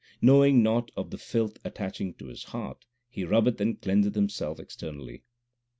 Knowing not of the filth attaching to his heart, he rubbeth and cleanseth himself externally.